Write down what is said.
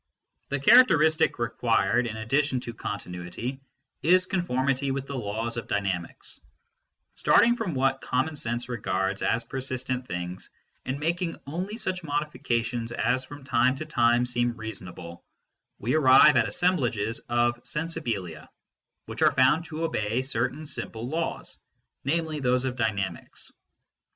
The characteristic required in addition to continuity is conformity with the laws of dynamics Starting from what common sense regards as persistent things, and making only such modifications as from time to time seem reasonable, we arrive at assemblages of " sensibilia " which are found to obey certain simple laws, namely those of dynamics.